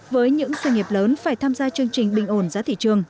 với những doanh nghiệp lớn phải tham gia chương trình bình ổn giá thị trường